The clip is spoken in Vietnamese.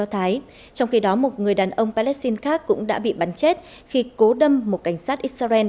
trong khi đó một người đàn ông palestine khác cũng đã bị bắn chết khi cố đâm một cảnh sát israel